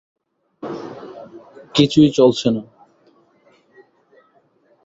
কিছুই চলছে না।